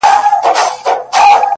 • خدای په ژړا دی؛ خدای پرېشان دی؛